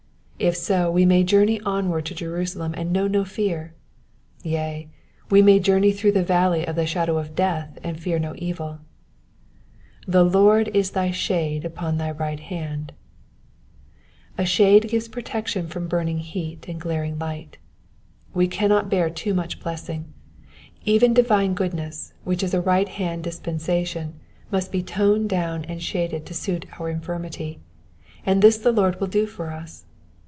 If so, we may journey onward to Jerusalem and know no fear ; yea, we may journey through the valley of the shadow of death and fear no evil. ^^The Lord is thy shade upon thy right hand,'*^ A shade gives protection from burning heat and glaring light. We cannot bear too much blessing ; even divine goodness, which is a right hand dispensatioD, must be toned down and shaded to suit our infirmity, and this the Lord will do for us.